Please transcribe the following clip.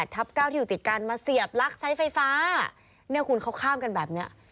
ทับเก้าที่อยู่ติดกันมาเสียบลักใช้ไฟฟ้าเนี่ยคุณเขาข้ามกันแบบนี้